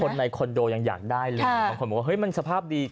ในคอนโดยังอยากได้เลยบางคนบอกว่าเฮ้ยมันสภาพดี